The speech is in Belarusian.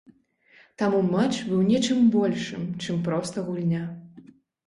Таму матч быў нечым большым, чым проста гульня.